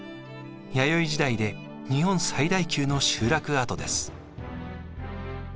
弥生時代で日本最大級の集落跡です。